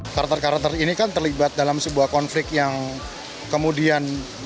karakter karakter ini kan terlibat dalam sebuah konflik yang kemudian